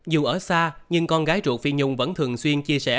dù ở xa nhưng con gái trụ phi nhung vẫn thường xuyên chia sẻ